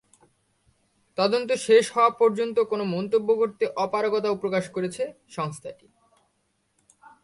তদন্ত শেষ হওয়া পর্যন্ত কোনো মন্তব্য করতে অপারগতাও প্রকাশ করেছে সংস্থাটি।